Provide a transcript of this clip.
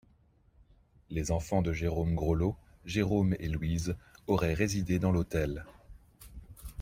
Les enfants de Jérôme Groslot, Jérôme et Louise, auraient résidé dans l'hôtel.